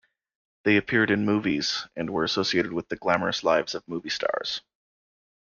They appeared in movies, and were associated with the glamorous lives of movie stars.